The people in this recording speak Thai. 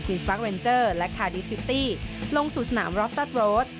สปาร์เวนเจอร์และคาดิซิตี้ลงสู่สนามร็ปตัสโรด